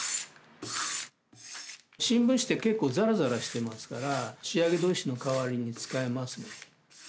新聞紙って結構ザラザラしてますから仕上げ砥石の代わりに使えますね。